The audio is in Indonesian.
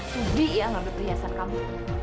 subi yang ambil perhiasan kamu